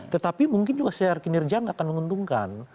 tetapi mungkin juga sejarah kinerja tidak akan menguntungkan